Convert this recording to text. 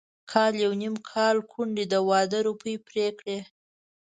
کال يو نيم کال کونډې د واده روپۍ پرې کړې.